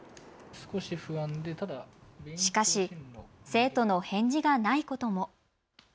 しかし生徒の返事がないことも。